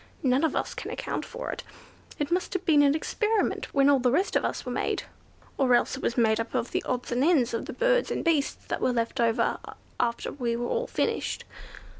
None of us can account for it. It must have been an experiment, when all the rest of us were made; or else it was made up of the odds and ends of the birds and beasts that were left over after we were all finished."